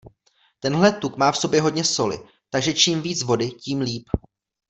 Tenhle tuk má v sobě hodně soli, takže čím víc vody, tím líp.